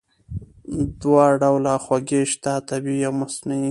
دوه ډوله خوږې شته: طبیعي او مصنوعي.